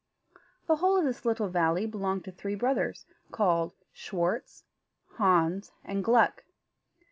The whole of this little valley belonged to three brothers called Schwartz, Hans, and Gluck.